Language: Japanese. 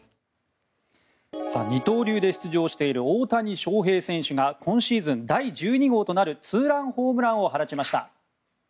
二刀流で出場している大谷翔平選手が今シーズン第１２号となるツーランホームランを放ちました。